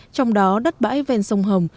trong đó đất bãi ven sông hồng